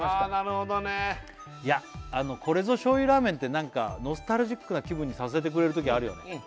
あなるほどねこれぞ醤油ラーメンって何かノスタルジックな気分にさせてくれるときあるよね